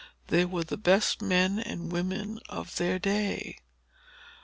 They were the best men and women of their day.